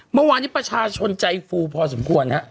เมื่อวานนี้ประชาชนใจฟูพอสมควรฮะ